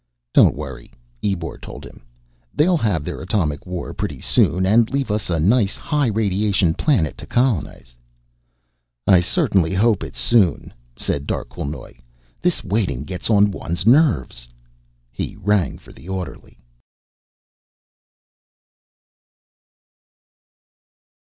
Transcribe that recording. "Don't worry," Ebor told him. "They'll have their atomic war pretty soon, and leave us a nice high radiation planet to colonize." "I certainly hope it's soon," said Darquelnoy. "This waiting gets on one's nerves." He rang for the orderly.